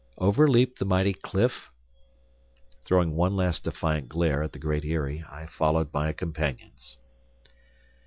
Overleap the mighty cliff? Throwing one last defiant glare at the Great Eyrie, I followed my companions.